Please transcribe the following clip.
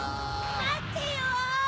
まってよ！